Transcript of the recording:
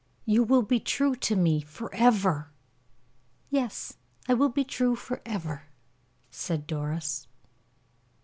"You will be true to me forever." "Yes; I will be true forever," said Doris.